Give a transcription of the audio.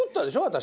私。